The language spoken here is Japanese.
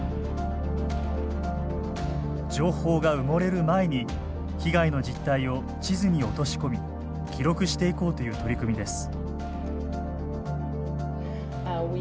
情報が埋もれる前に被害の実態を地図に落とし込み記録していこうという取り組みです。